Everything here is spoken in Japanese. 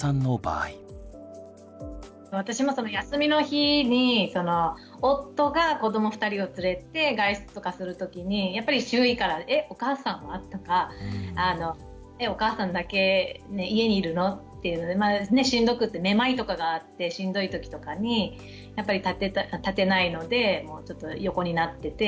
私も休みの日に夫が子ども２人を連れて外出とかする時にやっぱり周囲から「えっお母さんは？」とか「お母さんだけ家にいるの？」っていうのでまあしんどくってめまいとかがあってしんどい時とかにやっぱり立てないのでちょっと横になってて。